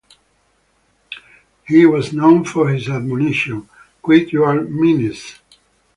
He was known for his admonition, Quit Your Meanness.